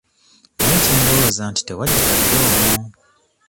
Naye kye ndowooza nti tewagitadde omwo.